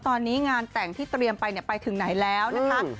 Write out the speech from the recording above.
ตอนนี้งานแต่งที่เตรียมไปไปถึงไหนแล้วนะคะ